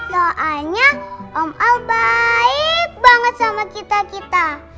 soalnya om al baik banget sama kita kita